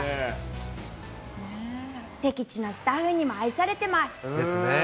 敵地のスタッフにも愛されています。ですね。